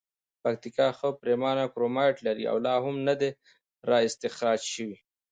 پکتیکا ښه پریمانه کرومایټ لري او لا هم ندي را اختسراج شوي.